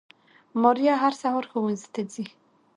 ماريه هر سهار ښوونځي ته ځي